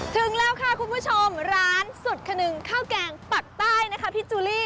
ถึงแล้วค่ะคุณผู้ชมร้านสุดขนึงข้าวแกงปักใต้นะคะพี่จูลี่